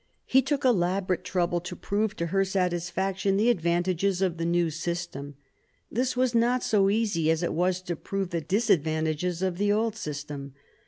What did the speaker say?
. He took elaborate trouble to prove to her satisfaction the advantages of the new system. This was not so easy as it was to prove the disadvantages of the old system.